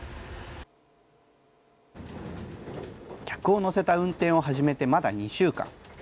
客を乗せた運転を始めてまだ２週間。